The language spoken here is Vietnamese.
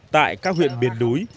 tại các huyện biển núi